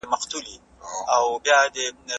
کېدای سي وخت لنډ وي!